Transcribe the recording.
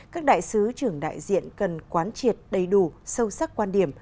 các đại sứ trưởng đại diện cần quán triệt đầy đủ sâu sắc quan điểm